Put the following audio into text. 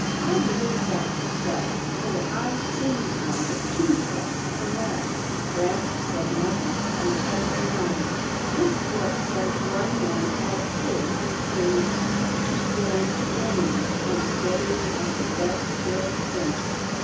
I believe that's so, for I've seen our two track Perletta/' 234 'TILDA JANE'S ORPHANS Grampa said nothing, and Hank went on, " This book says one man had a pig he trained to stand to game, as steady as the best bred pointer."